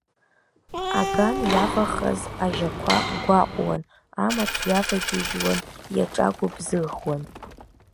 Аган иавахаз ажьақәа гәаҟуан, амаҭ иавагьежьуан, иаҿагәыбзыӷуан.